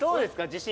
自信？